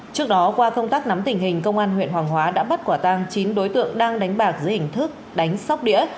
trước đó qua công tác nắm tình hình công an huyện hoàng hóa đã bắt quả tang chín đối tượng đang đánh bạc dưới hình thức đánh sóc đĩa